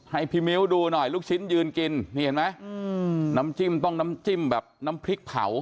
ให้พี่มิ้วดูหน่อยลูกชิ้นยืนกินนี่เห็นไหมน้ำจิ้มต้องน้ำจิ้มแบบน้ำพริกเผา